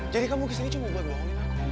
jadi kamu kesini cuma buat bohongin aku